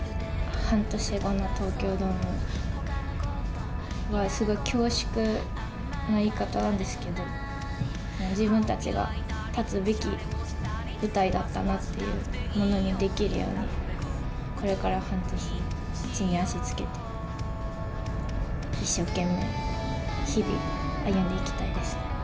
半年後の東京ドームは、すごい恐縮な言い方なんですけど、自分たちが立つべき舞台だったなっていうものにできるように、これから半年、地に足つけて、一生懸命、日々、歩んでいきたいですね。